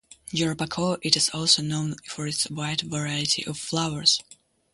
Jarabacoa it is also known for its wide variety of flowers.